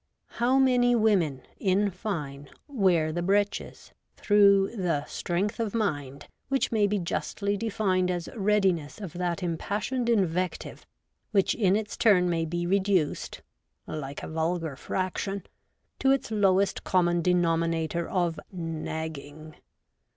How many women, in fine, ' wear the breeches ' through the ' strength of mind ' which may be justly defined as readiness of that impassioned invective which in its turn may be reduced (like a vulgar fraction) to its 62 REVOLTED WOMAN. lowest common denominator of ' nagging.'